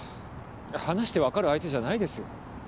話してわかる相手じゃないですよ。